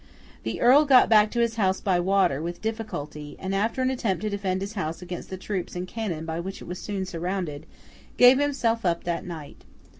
The Earl got back to his house by water, with difficulty, and after an attempt to defend his house against the troops and cannon by which it was soon surrounded, gave himself up that night.